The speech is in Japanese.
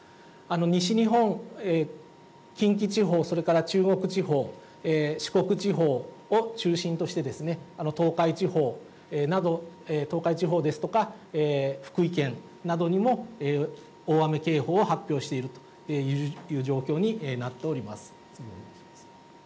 西日本、近畿地方、それから中国地方、四国地方を中心としてですね、東海地方など、東海地方ですとか、福井県などにも大雨警報を発表しているという状況になっております。